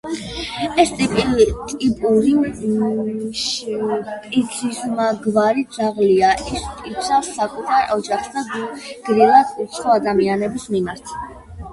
ეს ტიპური შპიცისმაგვარი ძაღლია, ის იცავს საკუთარ ოჯახს და გულგრილია უცხო ადამიანების მიმართ.